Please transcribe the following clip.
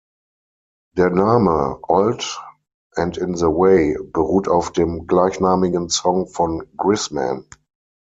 Der Name "Old and in the Way" beruht auf dem gleichnamigen Song von Grisman.